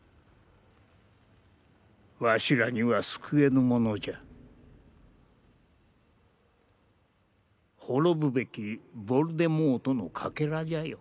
わしらには救えぬものじゃ滅ぶべきヴォルデモートのかけらじゃよ